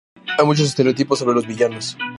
Hay muchos estereotipos sobre los villanos.